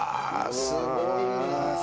すごいね。